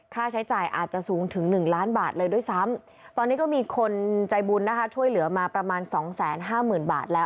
ค่าใช้จ่ายอาจจะสูงถึง๑ล้านบาทเลยด้วยซ้ำตอนนี้ก็มีคนใจบุญนะคะช่วยเหลือมาประมาณสองแสนห้าหมื่นบาทแล้ว